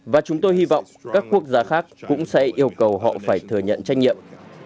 và chúng tôi hy vọng các quốc gia khác cũng sẽ yêu cầu họ phải thừa nhận trách nhiệm